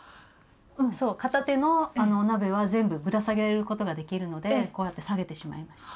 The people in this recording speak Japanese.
うんそう片手のお鍋は全部ぶら下げることができるのでこうやって下げてしまいました。